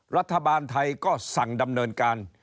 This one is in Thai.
รัฐบาลไทยก็สั่งดำเนินการ